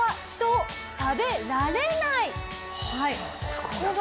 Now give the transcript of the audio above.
すごいな。